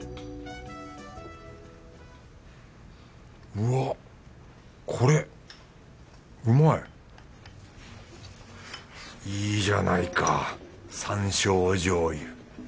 うわっこれうまい。いいじゃないか山椒醤油。